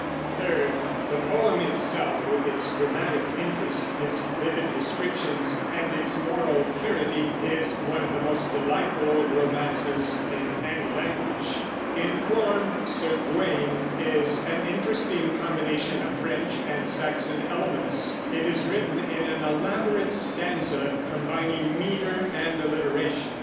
Third, the poem itself with its dramatic interest, its vivid descriptions, and its moral purity, is one of the most delightful old romances in any language. In form Sir Gawain is an interesting combination of French and Saxon elements. It is written in an elaborate stanza combining meter and alliteration.